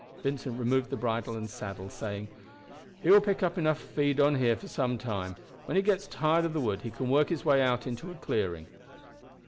Vincent removed the bridle and saddle, saying: "He will pick up enough to feed on here for some time. When he gets tired of the wood he can work his way out into a clearing."